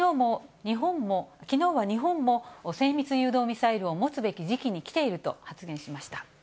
きのうは日本も精密誘導ミサイルを持つべき時期にきていると発言しました。